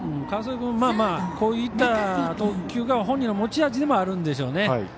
川副君は、こうした投球が本人の持ち味でもあるんでしょうね。